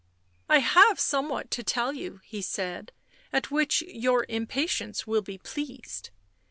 " I have somewhat to tell you," he said, " at which your impatience will be pleased."